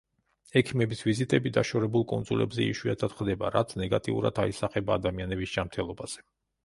ექიმების ვიზიტები დაშორებულ კუნძულებზე იშვიათად ხდება, რაც ნეგატიურად აისახება ადამიანების ჯანმრთელობაზე.